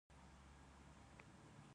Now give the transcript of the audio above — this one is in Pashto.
نو د پښو د رګونو پړسېدو جوړېدو ډېر امکان وي